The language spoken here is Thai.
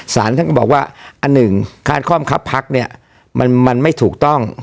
สารท่านก็บอกว่าอันหนึ่งคาดข้อมคับพักเนี่ยมันไม่ถูกต้อง